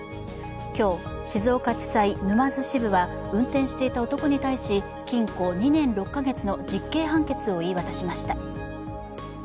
今日、静岡地裁沼津支部は運転していた男に対し禁錮２年６か月の実刑判決を言い渡しました。